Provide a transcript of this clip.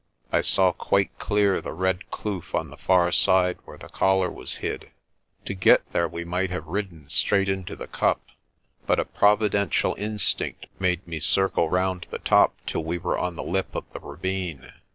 I saw quite clear the red kloof on the far side, where the collar was hid. To get there we might have ridden straight into the cup, but a providential instinct made me circle round the top till we were on the lip of the ravine.